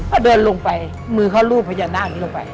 พอเดินลงไปมือเขารูปพญานาคนี้ลงไป